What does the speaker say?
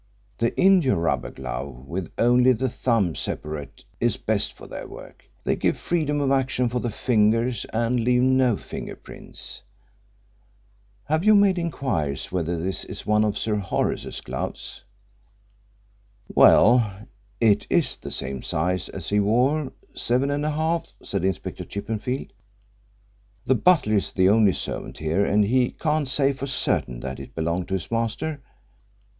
The india rubber glove with only the thumb separate is best for their work. They give freedom of action for the fingers and leave no finger prints. Have you made inquiries whether this is one of Sir Horace's gloves?" "Well, it is the same size as he wore seven and a half," said Inspector Chippenfield. "The butler is the only servant here and he can't say for certain that it belonged to his master.